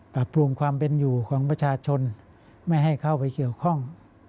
ปรับปรุงความเป็นอยู่ของประชาชนไม่ให้เข้าไปเกี่ยวข้อง